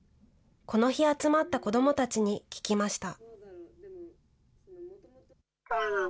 この日集まった子どもたちに聞きました。